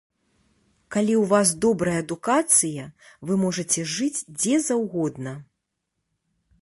Калі ў вас добрая адукацыя, вы можаце жыць дзе заўгодна.